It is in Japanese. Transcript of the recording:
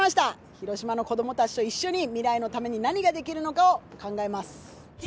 広島の子どもたちと一緒に、未来のために何ができるのかを考えます。